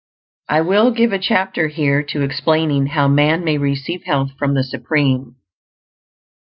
I will give a chapter here to explaining how man may receive health from the Supreme.